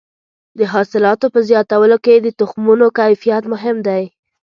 د حاصلاتو په زیاتولو کې د تخمونو کیفیت مهم دی.